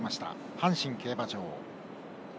阪神競馬場。